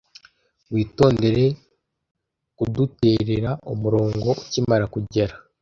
Witondere kuduterera umurongo ukimara kugera